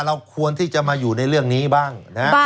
เราควรที่จะมาอยู่ในเรื่องนี้บ้างนะฮะ